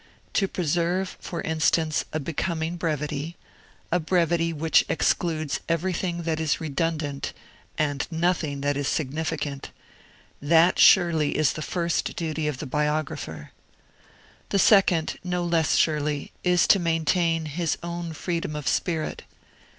To preserve, for instance, a becoming brevity a brevity which excludes everything that is redundant and nothing that is significant that, surely, is the first duty of the biographer. The second, no less surely, is to maintain his own freedom of spirit.